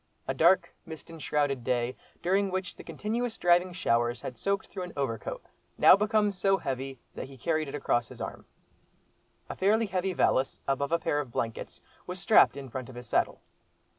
A dark, mist enshrouded day, during which the continuous driving showers had soaked through an overcoat, now become so heavy that he carried it across his arm. A fairly heavy valise, above a pair of blankets, was strapped in front of his saddle.